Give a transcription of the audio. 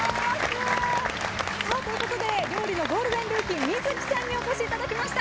さあということで料理のゴールデンルーキー実月さんにお越しいただきました。